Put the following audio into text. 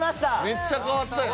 めっちゃ変わったよ。